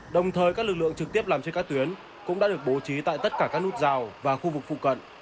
đồng thời các lực lượng trực tiếp làm trên các tuyến cũng đã được bố trí tại tất cả các nút rào và khu vực phụ cận